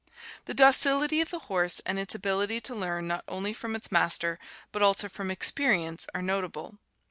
The docility of the horse and its ability to learn not only from its master but also from experience are notable.